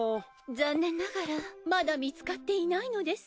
残念ながらまだ見つかっていないのです。